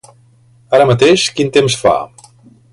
Ara mateix quin temps fa?